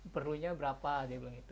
perlunya berapa dia bilang itu